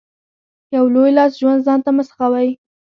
په لوی لاس ژوند ځانته مه سخوئ.